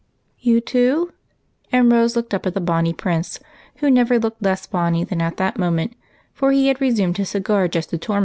" You too ?" and Rose looked up at the bonny Prince, who never looked less bonny than at that mo ment, for he had resumed his cigar, just to torment her.